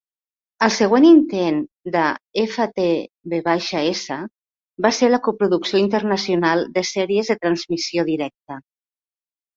El següent intent d'FtvS va ser la coproducció internacional de sèries de transmissió directa.